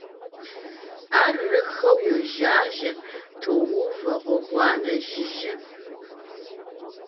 Арыххэуи йожажьэ, тоувэ гъуэгуанэ жыжьэ.